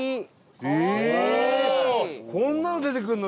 伊達：こんなの出てくるの？